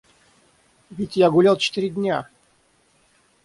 Ведь я гулял четыре дня!